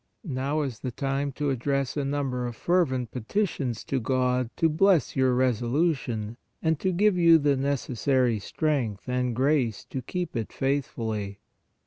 Now is the time to address a number of fervent peti tions to God to bless your resolution and to give you the necessary strength and grace to keep it faithfully.